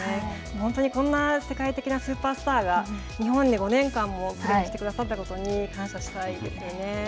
本当にこんな世界的なスーパースターが日本で５年間もプレーしてくださったことに感謝したいですよね。